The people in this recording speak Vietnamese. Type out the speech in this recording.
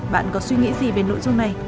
bạn có suy nghĩ gì về nội dung này